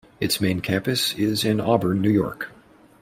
Its main campus is in Auburn, New York.